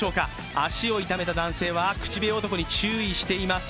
足を痛めた男性は口笛男に注意しています。